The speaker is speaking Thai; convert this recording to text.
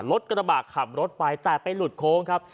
รถกระบะขับรถไปแต่ไปหลุดโค้งครับ